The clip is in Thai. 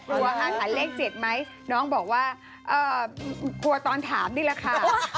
กลัวห้าถันเลข๗ไหมน้องบอกว่ากลัวตอนถามนี่แหละค่ะ